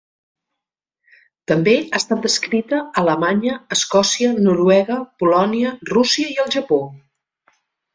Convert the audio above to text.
També ha estat descrita a Alemanya, Escòcia, Noruega, Polònia, Rússia i el Japó.